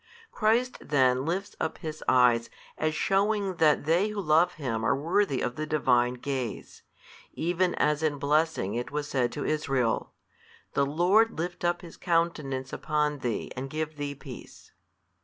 Christ then lifts up His Eyes as shewing that they who love Him are worthy of the Divine Gaze, even as in blessing it was said to Israel, The Lord lift up His Countenance upon thee and give thee peace.